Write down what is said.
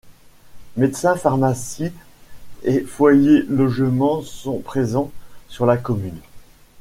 Médecin, pharmacie et foyers logements sont présents sur la commune.